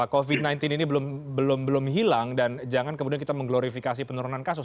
covid sembilan belas ini belum hilang dan jangan kemudian kita mengglorifikasi penurunan kasus